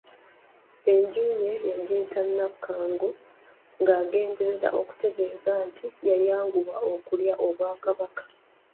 Enju ye yagiyita Nakangu ng'agenderera okutegeeza nti yayanguwa okulya obwakabaka.